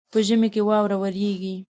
په ژمي کي واوره وريږي.